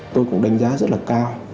tôi cũng đánh giá rất là cao